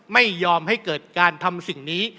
ไม่ยอมให้เกิดการทำสิ่งนี้